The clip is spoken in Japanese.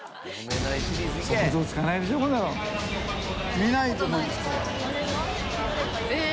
見ないと思います。